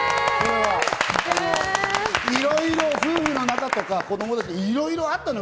いろいろ夫婦の仲とか、子供たち、いろいろあったのよ。